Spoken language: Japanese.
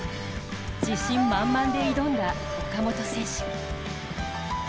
自信満々で挑んだ岡本選手。